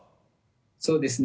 そうですね。